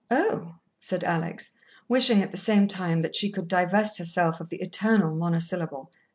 "Oh," said Alex, wishing at the same time that she could divest herself of the eternal monosyllable.